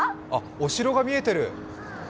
お城が見えてる。